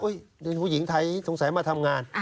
เรียนผู้หญิงไทยสงสัยมาทำงาน